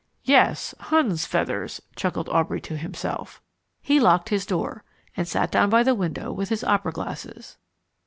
"Yes, Hun's feathers," chuckled Aubrey to himself. He locked his door, and sat down by the window with his opera glasses.